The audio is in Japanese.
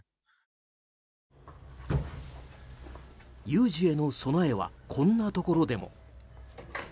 有事への備えはこんなところでも。